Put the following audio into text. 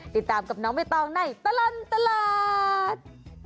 ติดตามกับน้องใบตองในตลอดตลาด